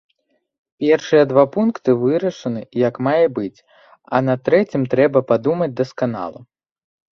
Першыя два пункты вырашаны як мае быць, а над трэцім трэба падумаць дасканала.